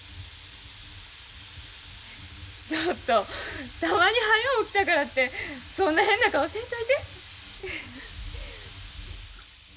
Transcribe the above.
ちょっとたまにはよ起きたからってそんな変な顔せんといて。